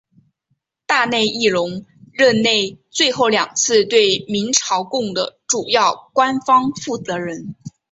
大内义隆任内最后两次对明朝贡的主要官方负责人。